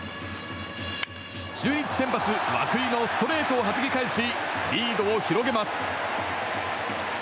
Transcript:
中日先発、涌井のストレートをはじき返しリードを広げます。